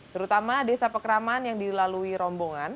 terutama desa pekraman yang dilalui rombongan